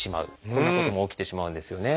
こんなことも起きてしまうんですよね。